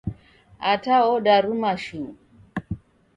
Ata odaruma shuu!